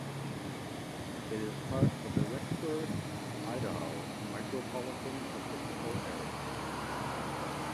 It is part of the Rexburg, Idaho Micropolitan Statistical Area.